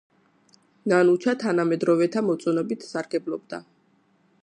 ნანუჩა თანამედროვეთა მოწონებით სარგებლობდა.